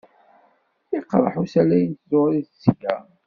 Yeqreb usalay n tẓuri seg-a?